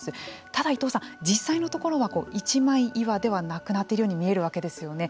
ただ伊藤さん実際のところは一枚岩ではなくなっているように見えるわけですよね。